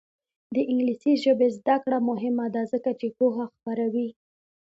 د انګلیسي ژبې زده کړه مهمه ده ځکه چې پوهه خپروي.